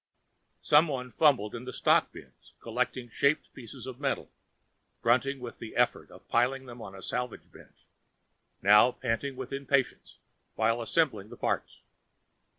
Someone fumbled in the stock bins, collecting shaped pieces of metal, grunting with the effort of piling them on the salvage bench, now panting with impatience while assembling the parts.